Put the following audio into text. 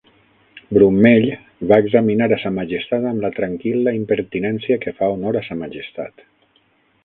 Brummell va examinar a sa Majestat amb la tranquil·la impertinència que fa honor a sa Majestat.